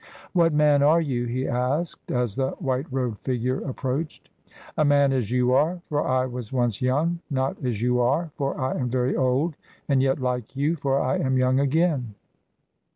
"What man are you?" he asked, as the white robed figure approached. "A man, as you are, for I was once young not as you are, for I am very old, and yet like you, for I am young again."